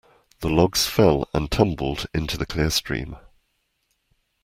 The logs fell and tumbled into the clear stream.